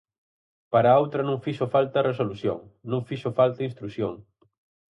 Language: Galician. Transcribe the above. Para a outra non fixo falta resolución, non fixo falta instrución.